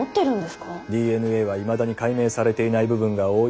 ＤＮＡはいまだに解明されていない部分が多い。